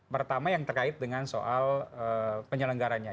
pertama yang terkait dengan soal penyelenggaranya